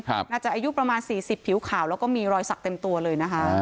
น่าจะอายุประมาณ๔๐ผิวขาวแล้วก็มีรอยสักเต็มตัวเลยนะคะ